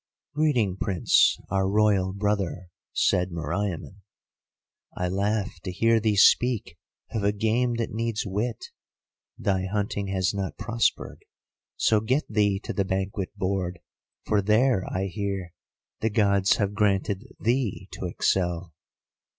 "'Greeting, Prince, our Royal brother,' said Meriamun. 'I laugh to hear thee speak of a game that needs wit. Thy hunting has not prospered, so get thee to the banquet board, for there, I hear, the Gods have granted thee to excel.